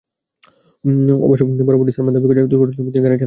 অবশ্য বরাবরই সালমান দাবি করেছেন, দুর্ঘটনার সময় তিনি গাড়ি চালাচ্ছিলেন না।